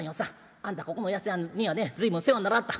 あんたここのおやっさんにはね随分世話にならはった。